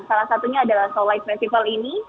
salah satunya adalah seoul light festival ini